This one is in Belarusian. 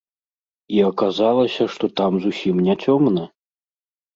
І аказалася, што там зусім не цёмна!